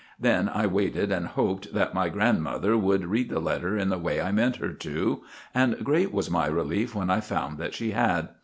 Then I waited and hoped that my grandmother would read the letter in the way I meant her to, and great was my relief when I found that she had.